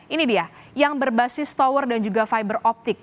ini dia yang berbasis tower dan juga fiberoptik